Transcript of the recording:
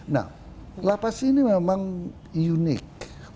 nah lapas ini memang unik